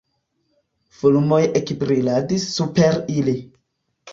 Fulmoj ekbriladis super ili.